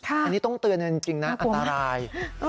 อันนี้ต้องเตือนกันจริงนะอันตราย